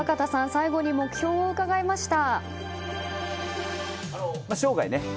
最後に目標を伺いました。